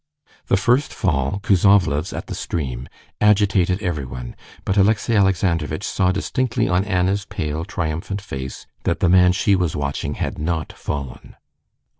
The first fall—Kuzovlev's, at the stream—agitated everyone, but Alexey Alexandrovitch saw distinctly on Anna's pale, triumphant face that the man she was watching had not fallen.